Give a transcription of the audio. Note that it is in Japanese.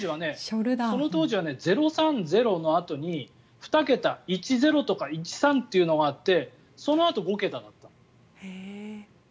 その当時は０３０のあとに２桁１０とか１３ってのがあってそのあと、５桁だったの。